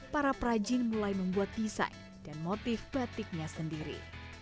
para perajin mulai membuat desain dan motif batiknya sendiri